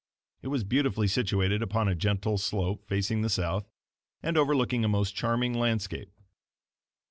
It was beautifully situated upon a gentle slope facing the south, and overlooking a most charming landscape.